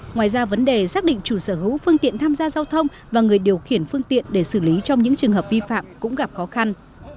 ngoài ra vấn đề xác định chủ sở hữu phương tiện tham gia giao thông và người điều khiển phương tiện để xử lý trong những trường hợp vi phạm cũng gặp khó khăn